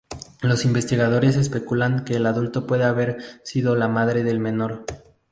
Los investigadores especulan que el adulto puede haber sido la madre del menor.